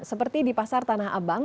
seperti di pasar tanah abang